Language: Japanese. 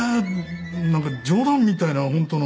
なんか冗談みたいな本当の。